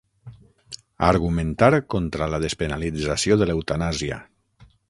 Argumentar contra la despenalització de l'eutanàsia.